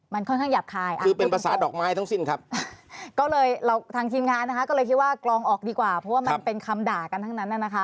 มันค่อนข้างหยาบคายคือเป็นภาษาดอกไม้ทั้งสิ้นครับก็เลยเราทางทีมงานนะคะก็เลยคิดว่ากลองออกดีกว่าเพราะว่ามันเป็นคำด่ากันทั้งนั้นน่ะนะคะ